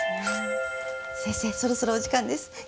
先生そろそろお時間です。